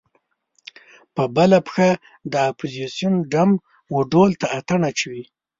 په بله پښه د اپوزیسون ډم و ډول ته اتڼ اچوي.